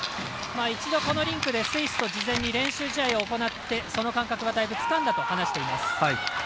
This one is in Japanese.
一度、このリンクでスイスと事前に練習試合を行って、その感覚はだいぶつかんだと話しています。